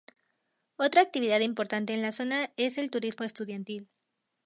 Otra actividad importante en la zona es el turismo estudiantil.